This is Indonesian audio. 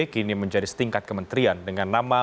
kini menjadi setingkat kementerian dengan nama